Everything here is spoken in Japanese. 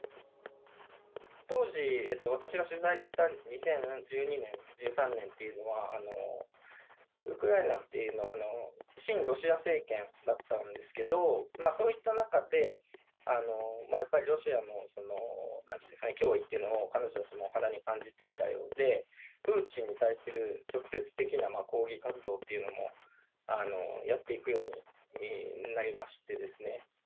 当時、私が取材した２０１２年、１３年というのは、ウクライナっていうのは、親ロシア政権だったんですけど、そういった中で、やっぱりロシアの脅威っていうのを彼女たちも肌で感じていたようで、プーチンに対する直接的な抗議活動っていうのもやっていくようになりましてですね。